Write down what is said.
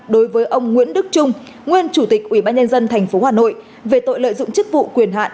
đối với ông nguyễn đức trung nguyên chủ tịch ủy ban nhân dân tp hà nội về tội lợi dụng chức vụ quyền hạn